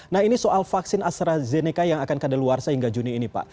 nah ini soal vaksin astrazeneca yang akan keadaan luar sehingga juni ini pak